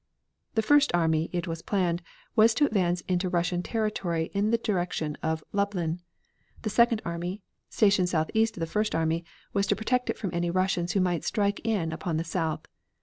The first army, it was planned, was to advance into Russian territory in the direction of Lublin. The second army, stationed southeast of the first army, was to protect it from any Russians who might strike in upon the south.